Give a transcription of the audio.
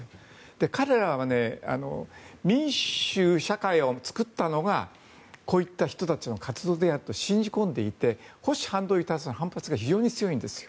彼らは民主社会を作ったのがこういった人たちの活動であると信じ込んでいて保守反動に対する反発が非常に強いんです。